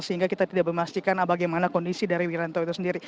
sehingga kita tidak memastikan bagaimana kondisi dari wiranto itu sendiri